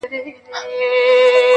• د یوه لوی جشن صحنه جوړه سوې وه -